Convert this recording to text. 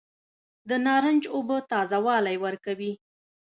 د نارنج اوبه تازه والی ورکوي.